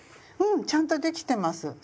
うん！ちゃんとできてます。